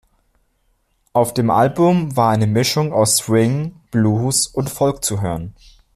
Auf dem Album war eine Mischung aus Swing, Blues und Folk zu hören.